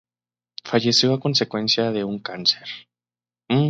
Falleció a consecuencia de un cáncer.